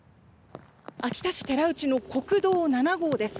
秋田市内の国道７号です。